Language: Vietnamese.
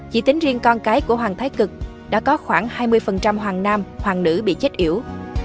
chỉ tính riêng con cái của hoàng thái cực đã có khoảng hai mươi hoàng nam hoàng nữ bị chết yểu